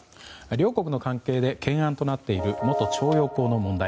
両国の関係で懸案となっている元徴用工の問題。